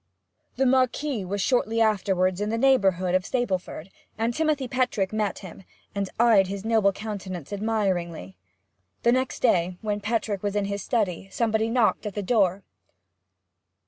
The Marquis was shortly afterwards in the neighbourhood of Stapleford, and Timothy Petrick met him, and eyed his noble countenance admiringly. The next day, when Petrick was in his study, somebody knocked at the door.